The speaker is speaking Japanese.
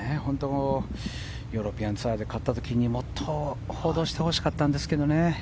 ヨーロピアンツアーで勝った時にもっと報道してほしかったんですけど。